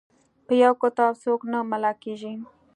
په یو کتاب څوک نه ملا کیږي.